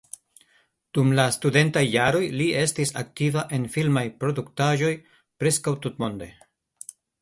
Dum la studentaj jaroj li estis aktiva en filmaj produktaĵoj preskaŭ tutmonde.